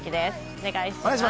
お願いします。